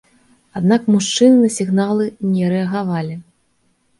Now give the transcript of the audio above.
Аднак мужчыны на сігналы не рэагавалі.